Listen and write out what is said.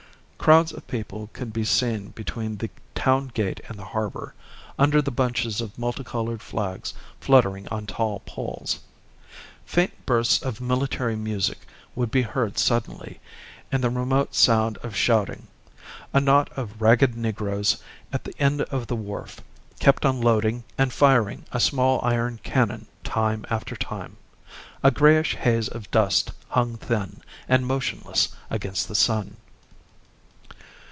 Crowds of people could be seen between the town gate and the harbour, under the bunches of multicoloured flags fluttering on tall poles. Faint bursts of military music would be heard suddenly, and the remote sound of shouting. A knot of ragged negroes at the end of the wharf kept on loading and firing a small iron cannon time after time. A greyish haze of dust hung thin and motionless against the sun.